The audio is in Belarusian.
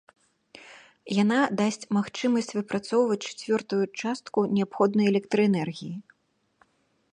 Яна дасць магчымасць выпрацоўваць чацвёртую частку неабходнай электраэнергіі.